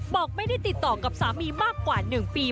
บอกไม่ได้ติดต่อกับสามีมากกว่า๑ปี